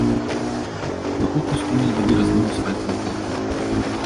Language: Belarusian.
Магутны струмень вады размыў асфальтавае палатно.